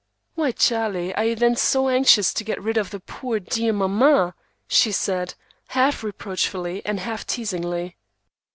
"Why, Charlie, are you then so anxious to get rid of poor, dear mamma?" she said, half reproachfully and half teasingly.